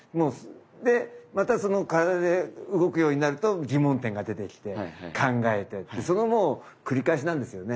でまたその体で動くようになると疑問点が出てきて考えてってそのもう繰り返しなんですよね。